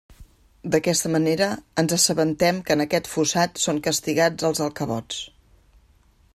D'aquesta manera, ens assabentem que en aquest fossat, són castigats els alcavots.